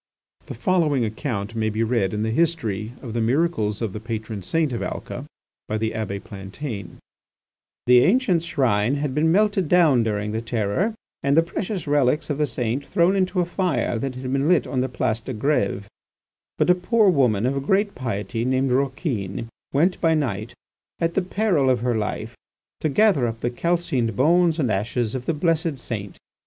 The following account may be read in the "History of the Miracles of the Patron Saint of Alca" by the Abbé Plantain: "The ancient shrine had been melted down during the Terror and the precious relics of the saint thrown into a fire that had been lit on the Place de Grève; but a poor woman of great piety, named Rouquin, went by night at the peril of her life to gather up the calcined bones and the ashes of the blessed saint.